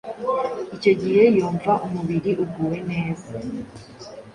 Icyo gihe yumva umubiri uguwe neza.